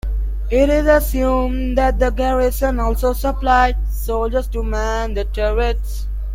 It is assumed that the garrison also supplied soldiers to man the turrets.